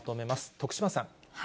徳島さん。